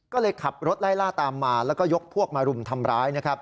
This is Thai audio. ก็เลยขับรถไล่ล่าตามมาแล้วก็ยกพวกมารุมทำร้ายนะครับ